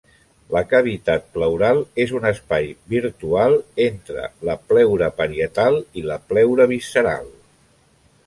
La cavitat pleural és un espai virtual entre la pleura parietal i la pleura visceral.